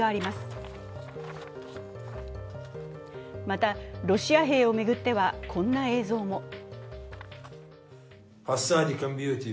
また、ロシア兵を巡ってはこんな映像も。